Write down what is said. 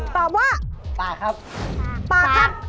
ตอบว่าปากครับปากครับปากครับปากครับ